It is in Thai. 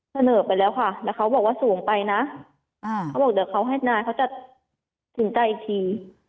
เสนอไปแล้วค่ะแล้วเขาบอกว่าสูงไปนะเขาบอกเดี๋ยวเขาให้นายเขาจะสินใจอีกที